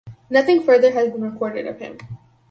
Nothing further has been recorded of him.